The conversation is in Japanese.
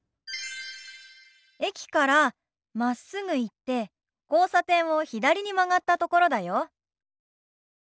駅からまっすぐ行って交差点を左に曲がったところだよ。